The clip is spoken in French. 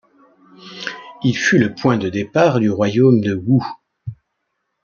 Il fut le point de départ du royaume de Wu.